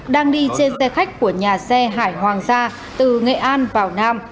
đang đi trên xe khách của nhà xe hải hoàng gia từ nghệ an vào nam